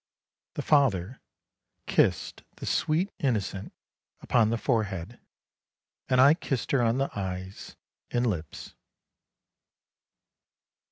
" The father kissed the sweet innocent upon the forehead, and I kissed her on the eyes and lips."